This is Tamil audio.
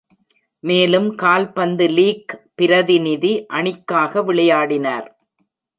மேலும் கால்பந்து லீக் பிரதிநிதி அணிக்காக விளையாடினார்.